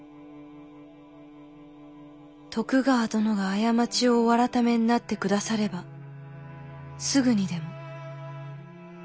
「徳川殿が過ちをお改めになってくださればすぐにでも」。